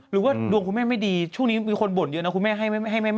หรือว่าดวงคุณแม่ไม่ดีช่วงนี้มีคนบ่นเยอะนะคุณแม่